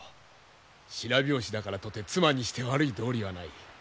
白拍子だからとて妻にして悪い道理はない。